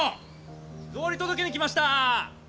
草履届けに来ました！